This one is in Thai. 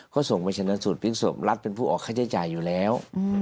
เขาส่งไปชะนัดสูตรฟิกสวบรัฐเป็นผู้ออกค่าใช้จ่ายอยู่แล้ว